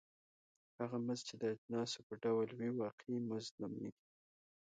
هغه مزد چې د اجناسو په ډول وي واقعي مزد نومېږي